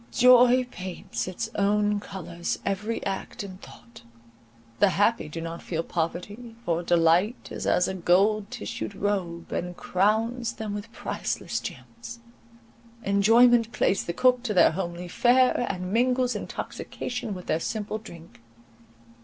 Joy paints with its own colours every act and thought. The happy do not feel poverty—for delight is as a gold tissued robe, and crowns them with priceless gems. Enjoyment plays the cook to their homely fare, and mingles intoxication with their simple drink.